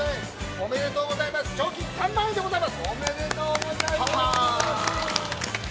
◆おめでとうございます、賞金３万円でございます。